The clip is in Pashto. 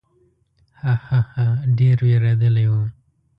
ها، ها، ها، ډېر وېرېدلی و.